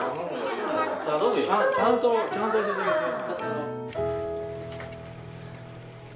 ちゃんとちゃんと教えてあげてよ。